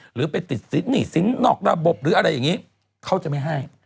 หรือไปติดหนี้สินนอกระบบหรืออะไรอย่างนี้เขาจะไม่ให้